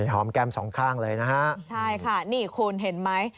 หอมแก้มสองข้างเลยนะฮะใช่ค่ะนี่คุณเห็นไหม